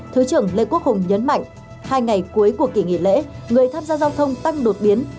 thứ trưởng lê quốc hùng nhấn mạnh hai ngày cuối của kỳ nghỉ lễ người tham gia giao thông tăng đột biến